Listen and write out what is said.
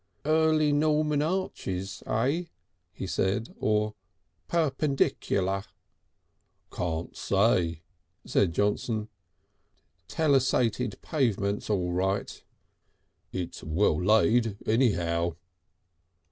"Early Norman arches, eh?" he said, "or Perpendicular." "Can't say," said Johnson. "Telessated pavements, all right." "It's well laid anyhow."